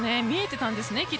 見えてたんですね。